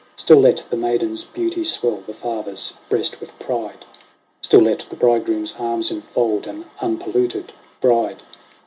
Still let the maiden's beauty swell the father's breast with pride ; Still let the bridegroom's arms infold an unpolluted bride.